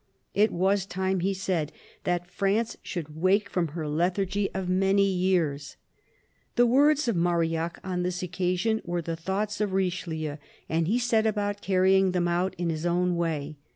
It was time, he said, that France should wake from her lethargy of many years. THE CARDINAL i6i The words of Marillac on this occasion were the thoughts of Richelieu, and he set about carrying them out in his own way.